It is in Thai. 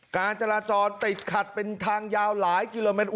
การจราจรติดขัดเป็นทางยาวหลายกิโลเมตร